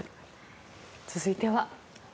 続いては。